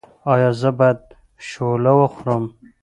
ایا زه باید شوله وخورم؟